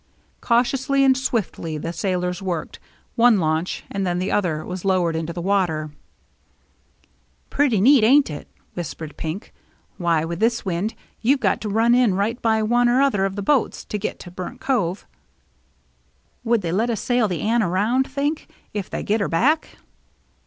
Cautiously and swiftly the sailors worked. One launch, and then the other, was lowered into the water. 238 THE MERRT JNNE " Pretty neat, ain't it ?" whispered Pink. " Why, with this wind they've got to run in right by one or other of the boats to get to Burnt Cove. Would they let us sail the Anne around, think, if they get her back?"